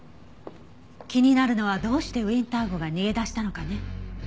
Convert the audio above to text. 気になるのはどうしてウィンター号が逃げ出したのかね。